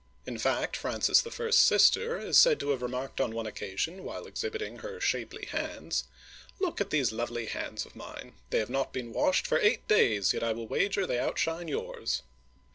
In fact, Francis I.'s sister is said to have remarked on one occasion, while exhibiting her shapely hands :" Look at these lovely hands of mine ; they have not been washed for eight days, yet I will wager they outshine yours